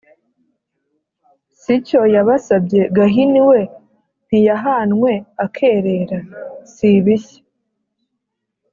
sicyo yabasabye, gahini we ntiyahanwe akerera? siibishya